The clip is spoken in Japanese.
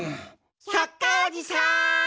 百科おじさん。